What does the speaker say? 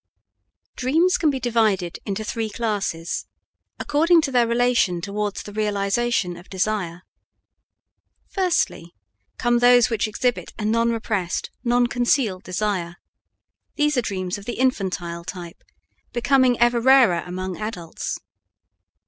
Dreams can be divided into three classes according to their relation towards the realization of desire. Firstly come those which exhibit a non repressed, non concealed desire; these are dreams of the infantile type, becoming ever rarer among adults.